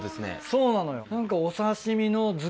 そうなのよ。